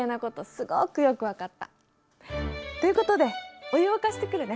すごくよくわかった。ということでお湯を沸かしてくるね！